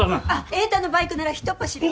栄太のバイクならひとっ走りよ。